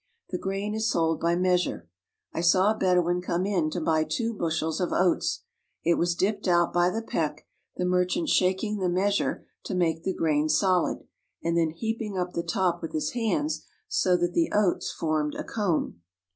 The grain is sold by measure. I saw a Bedouin come in to buy two bushels of oats. It was dipped out by the peck, the merchant shaking the measure to make the grain solid, and then heaping up the top with his hands so that the oats formed a cone.